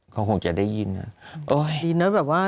เขาคงจะได้ยินนะ